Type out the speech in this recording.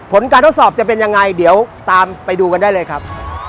ผลการทดสอบจะเป็นยังไงเดี๋ยวตามไปดูกันได้เลยครับ